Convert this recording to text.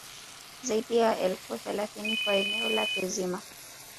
Zaidi ya elfu thelathini kwa eneo lake zima